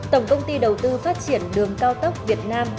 tổng công ty đầu tư phát triển đường cao tốc việt nam